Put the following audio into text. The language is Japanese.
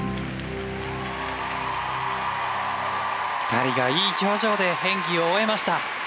２人がいい表情で演技を終えました。